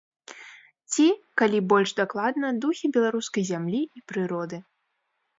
Ці, калі больш дакладна, духі беларускай зямлі і прыроды.